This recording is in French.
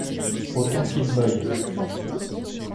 Autant qu'il veuille.